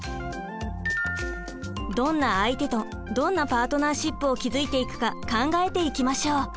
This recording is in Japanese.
どんな相手とどんなパートナーシップを築いていくか考えていきましょう！